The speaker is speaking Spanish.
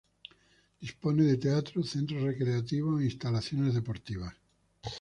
Dispone de teatro, centros recreativos e instalaciones deportivas.